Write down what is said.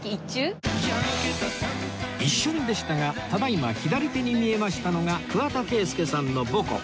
一瞬でしたがただ今左手に見えましたのが桑田佳祐さんの母校